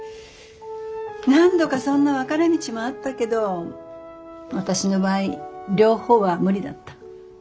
何度かそんな分かれ道もあったけど私の場合両方は無理だった。